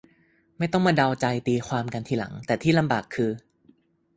ไม่ต้องมาเดาใจตีความกันทีหลัง แต่ที่ลำบากคือ